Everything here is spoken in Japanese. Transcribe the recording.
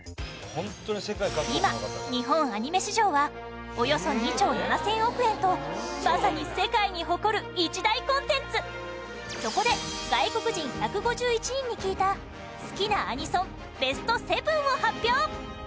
今、日本アニメ市場はおよそ２兆７０００億円とまさに、世界に誇る一大コンテンツそこで外国人１５１人に聞いた好きなアニソンベスト７を発表